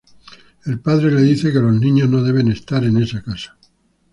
El padre le dice que los niños no deben estar en esa casa.